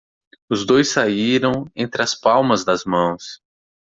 Os dois saíram entre as palmas das mãos.